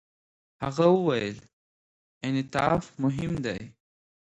هغه وویل، انعطاف مهم دی.